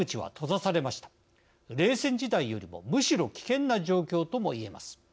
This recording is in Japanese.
冷戦時代よりもむしろ危険な状況ともいえます。